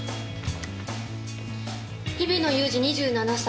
「日比野勇司２７歳。